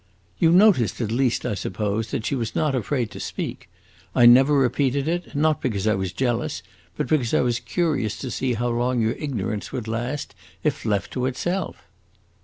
"You noticed, at least, I suppose, that she was not afraid to speak. I never repeated it, not because I was jealous, but because I was curious to see how long your ignorance would last if left to itself."